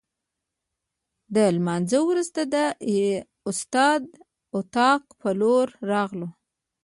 له لمانځه وروسته د استاد د اتاق په لور راغلو.